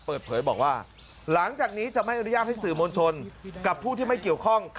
เปิดเผยบอกว่าหลังจากนี้จะไม่อนุญาตให้สื่อมวลชนกับผู้ที่ไม่เกี่ยวข้อง